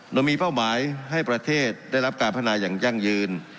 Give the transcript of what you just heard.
โดยมีเป้าหมายให้ประเทศได้รับการพัฒนาอย่างยั่งยืน